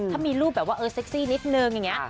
ถ้ามีรูปแบบว่าเออเซ็กซี่นิดนึงอย่างนี้